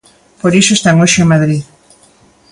Por iso están hoxe en Madrid.